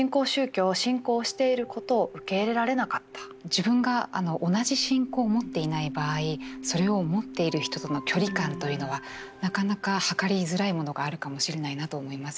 自分が同じ信仰を持っていない場合それを持っている人との距離感というのはなかなか測りづらいものがあるかもしれないなと思いますよね。